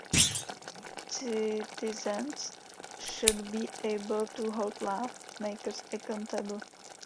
Citizens should be able to hold law-makers accountable.